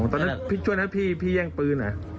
ตอนนั้นพี่ช่วยนะพี่แย่งปืนเหรอ